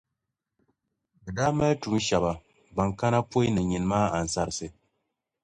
Bɛ daa mali tuun’ shεba ban kana pɔi ni nyini maa ansarsi.